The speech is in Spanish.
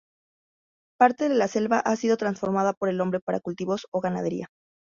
Parte de la selva ha sido transformada por el hombre para cultivos o ganadería.